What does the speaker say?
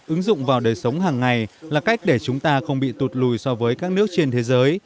ứng dụng vào đời sống hàng ngày là cách để chúng ta không bị tụt lùi so với các nước trên thế giới